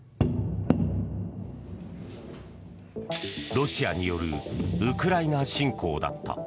ロシアによるウクライナ侵攻だった。